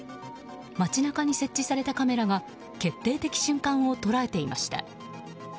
街中に設置されたカメラが決定的瞬間を捉えていました。